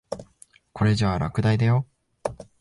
これじゃ落第だよ。